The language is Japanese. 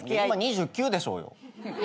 今２９でしょうよ。